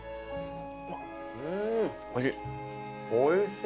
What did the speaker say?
おいしい。